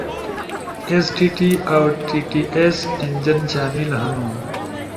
ایس ٹی ٹی اؤ ٹی ٹی ایس انجن شامل ہنو۔